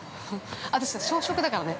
◆私、小食だからね。